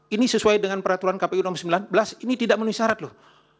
ini sesuai dengan peraturan kpu nomor sembilan belas ini tidak menuhi syarat loh